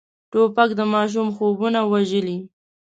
توپک د ماشوم خوبونه وژلي.